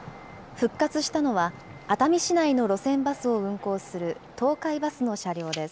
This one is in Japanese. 復活したのは、熱海市内の路線バスを運行する東海バスの車両です。